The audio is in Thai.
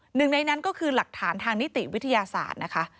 หนึ่งในนั้นก็คือหลักฐานทางนิติวิทยาศาสตร์นะคะ